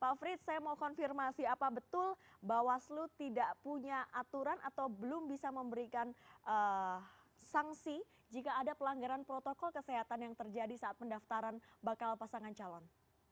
pak frits saya mau konfirmasi apa betul bawaslu tidak punya aturan atau belum bisa memberikan sanksi jika ada pelanggaran protokol kesehatan yang terjadi saat pendaftaran bakal pasangan calon